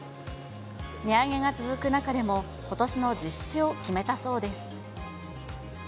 値上げが続く中でも、ことしの実施を決めたそうです。